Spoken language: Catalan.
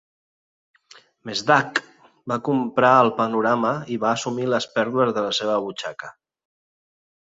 Mesdag va comprar el panorama i va assumir les pèrdues de la seva butxaca.